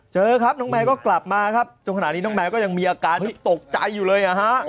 เจอครับน้องแมวก็กลับมาครับจนขณะนี้น้องแมวก็ยังมีอาการที่ตกใจอยู่เลยอ่ะฮะ